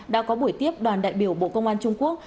đã có buổi tiếp đoàn đại biểu bộ công an trung quốc